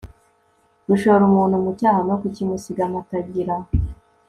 gushora umuntu mu cyaha no kukimusigamo atagira